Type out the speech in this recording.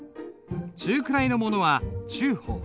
中くらいものは中鋒。